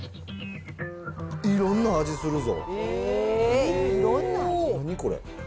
いろんな味するぞ。